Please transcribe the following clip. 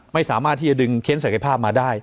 ไม่สามารถที่จะดึงเค้นศักยภาพมาได้